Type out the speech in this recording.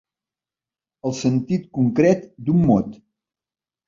El sentit concret d'un mot.